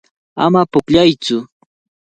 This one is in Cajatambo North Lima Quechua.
Ama pukllaytsu.